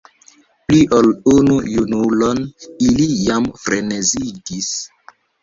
Pli ol unu junulon ili jam frenezigis.